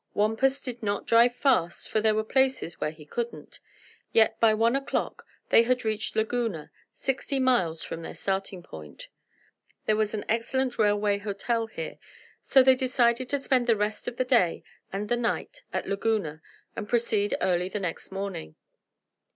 Wampus did not drive fast, for there were places where he couldn't; yet by one o'clock they had reached Laguna, sixty miles from their starting point. There was an excellent railway hotel here, so they decided to spend the rest of the day and the night at Laguna and proceed early the next morning.